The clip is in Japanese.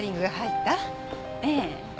ええ